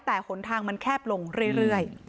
แต่หนทางมันแคบลงเรื่อย